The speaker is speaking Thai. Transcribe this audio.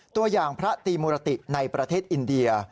ตัวอย่างพระตีมุรติในประเทศอินเดีย